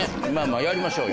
やりましょうよ。